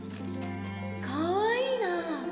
かわいいなぁ。